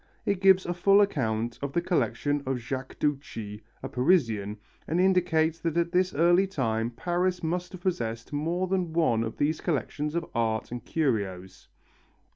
It gives a full account of the collection of Jacques Duchie, a Parisian, and indicates that at this early time Paris must have possessed more than one of these collections of art and curios.